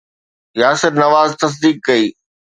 ياسر نواز تصديق ڪئي